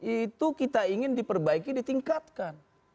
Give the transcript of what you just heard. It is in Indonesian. itu kita ingin diperbaiki ditingkatkan